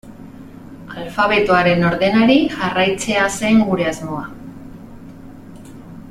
Alfabetoaren ordenari jarraitzea zen gure asmoa.